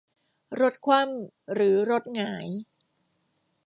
รถคว่ำหรือรถหงาย